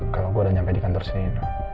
kalau gue udah nyampe di kantor sini